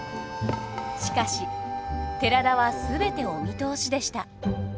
しかし寺田は全てお見通しでした。